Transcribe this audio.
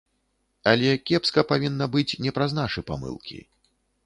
Але кепска павінна быць не праз нашы памылкі.